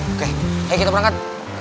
oke ayo kita berangkat